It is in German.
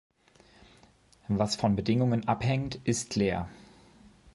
Was von Bedingungen abhängt, ist leer.